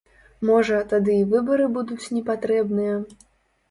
Можа, тады і выбары будуць непатрэбныя?